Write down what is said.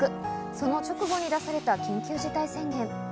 その直後に出された緊急事態宣言。